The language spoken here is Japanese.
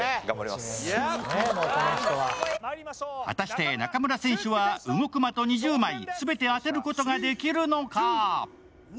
果たして中村選手は動く的２０枚全て当てることができるのか？